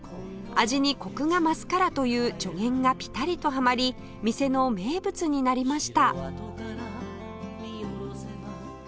味にコクが増すからという助言がピタリとはまり店の名物になりました